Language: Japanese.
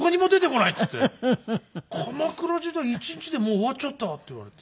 「鎌倉時代１日でもう終わっちゃった」って言われて。